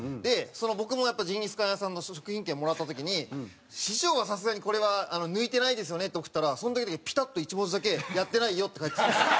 僕もジンギスカン屋さんの食品券もらった時に「師匠はさすがにこれは抜いてないですよね？」って送ったらその時だけピタッと１文字だけ「やってないよ」って返ってきた。